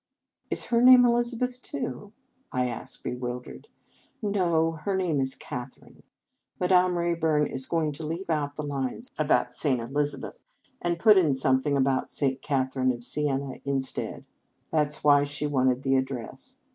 "Is her name Elizabeth, too?" I asked, bewildered. " No, her name is Catherine. Ma dame Rayburn is going to leave out the lines about St. Elizabeth, and put 217 In Our Convent Days in something about St. Catherine of Siena instead. That s why she wanted the address.